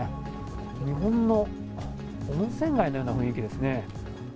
日本の温泉街のような雰囲気ですね。